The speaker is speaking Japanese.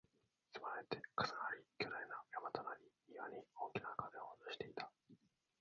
積まれて、重なり、巨大な山となり、中庭に大きな影を落としていた